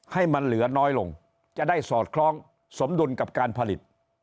ให้มันเหลือน้อยลงจะได้สอดคล้องสมดุลกับการผลิต